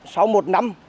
sau một năm